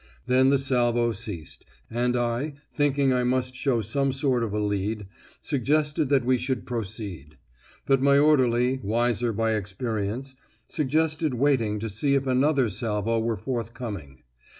Then the salvo ceased, and I, thinking I must show some sort of a lead, suggested that we should proceed. But my orderly, wiser by experience, suggested waiting to see if another salvo were forthcoming.